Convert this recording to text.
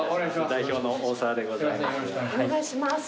代表の大澤でございます。